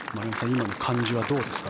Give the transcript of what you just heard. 今の感じはどうですか？